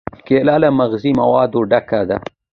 کېله له مغذي موادو ډکه ده.